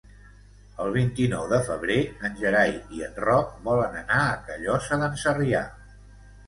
El vint-i-nou de febrer en Gerai i en Roc volen anar a Callosa d'en Sarrià.